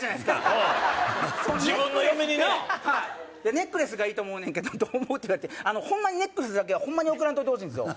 「ネックレスがいいと思うねんけどどう思う？」って言われてホンマにネックレスだけはホンマに贈らんといてほしいんですよ